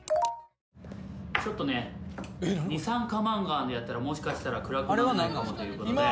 ちょっとね二酸化マンガンでやったらもしかしたら暗くなんないかもという事で。